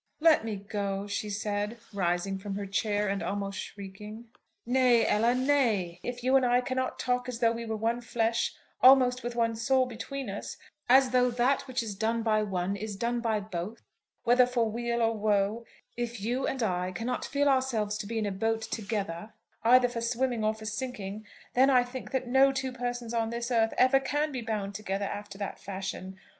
"Let me go," she said, rising from her chair and almost shrieking. "Nay, Ella, nay; if you and I cannot talk as though we were one flesh, almost with one soul between us, as though that which is done by one is done by both, whether for weal or woe, if you and I cannot feel ourselves to be in a boat together either for swimming or for sinking, then I think that no two persons on this earth ever can be bound together after that fashion.